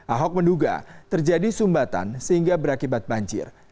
ahok menduga terjadi sumbatan sehingga berakibat banjir